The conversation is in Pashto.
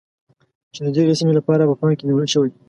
چې د دغې سیمې لپاره په پام کې نیول شوی.